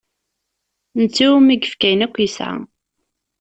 D netta iwumi i yefka ayen akk yesɛa.